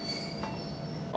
あ！